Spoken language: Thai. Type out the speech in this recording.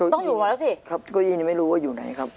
ต้องอยู่มาแล้วสิครับเก้าอี้ยังไม่รู้ว่าอยู่ไหนครับ